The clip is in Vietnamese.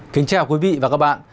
xin chào quý vị và các bạn